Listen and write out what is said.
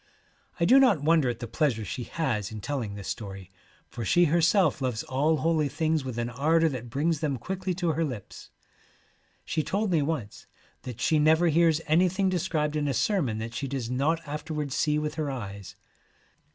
I do not wonder at the pleasure she has in telling this story, for she herself loves all holy things with an ardour that brings them quickly to her lips. She told me once that she never hears anything de scribed in a sermon that she does not afterwards see with her eyes.